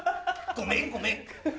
ごめんごめん。